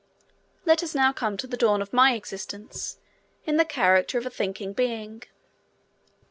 Let us now come to the dawn of my existence in the character of a thinking being.